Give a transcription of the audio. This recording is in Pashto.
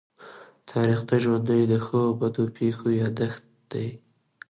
تاریخ د ژوند د ښو او بدو پېښو يادښت دی.